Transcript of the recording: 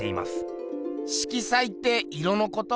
色彩って色のこと？